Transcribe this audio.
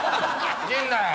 陣内。